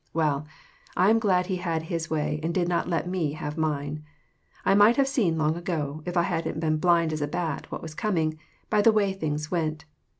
Well, I'm glad he had his way and did not let me have mine. I might have seen long ago, if I hadn't been blind as a bat, what was coming, by the way things went.